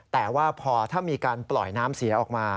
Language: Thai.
แต่ว่าพอถ้ามีการปล่อยน้ำเสียออกมา